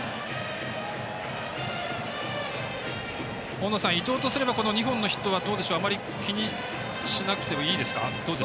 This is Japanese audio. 大野さん、伊藤とすればこの２本のヒットはどうでしょうあまり気にしなくていいですか？